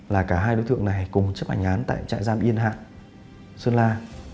và cả hai đối tượng này cùng chấp ảnh án tại trại giam yên hạ xuân la